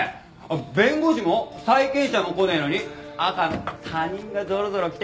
弁護士も債権者も来ねえのに赤の他人がぞろぞろ来てくれちゃって。